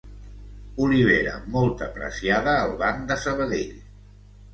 Olivera molt apreciada al Banc de Sabadell.